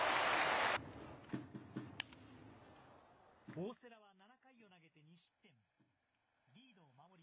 大瀬良は７回を投げて２失点。